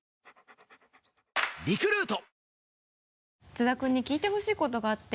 津田君に聞いてほしいことがあって。